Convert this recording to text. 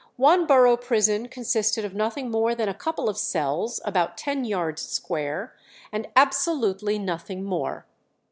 One borough prison consisted of nothing more than a couple of cells, about ten yards square, and absolutely nothing more.